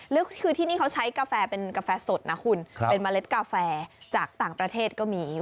แล้วคือที่นี่เขาใช้กาแฟเป็นกาแฟสดนะคุณเป็นเมล็ดกาแฟจากต่างประเทศก็มี